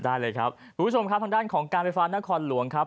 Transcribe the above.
ได้เลยครับคุณผู้ชมครับทางด้านของการไฟฟ้านครหลวงครับ